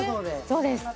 そうです